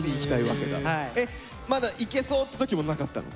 まだ行けそうって時もなかったの？